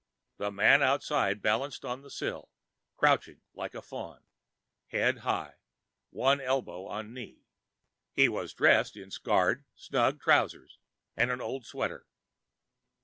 The man outside balanced on the sill, crouching like a faun, head high, one elbow on knee. He was dressed in scarred, snug trousers and an old sweater.